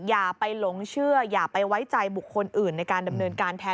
อย่าไปหลงเชื่ออย่าไปไว้ใจบุคคลอื่นในการดำเนินการแทน